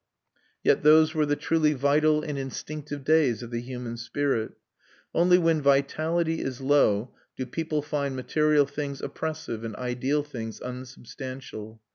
Yet those were the truly vital and instinctive days of the human spirit. Only when vitality is low do people find material things oppressive and ideal things unsubstantial.